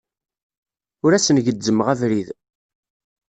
Ur asen-gezzmeɣ abrid.